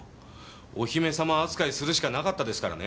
お姫様扱いするしかなかったですからね。